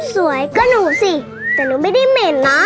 สวยก็หนูสิแต่หนูไม่ได้เหม็นนะ